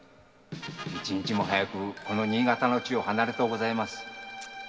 一日も早くこの新潟を離れとうございます。